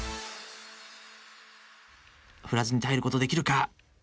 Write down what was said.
振らずに耐えることできるか？